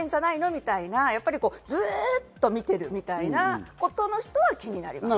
みたいな、ずっと見ているみたいな人は気になります。